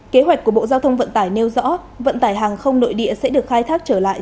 kế hoạch của bộ giao thông vận tải nêu rõ vận tải hàng không nội địa sẽ được khai thác trở lại